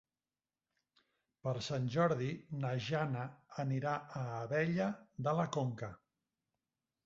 Per Sant Jordi na Jana anirà a Abella de la Conca.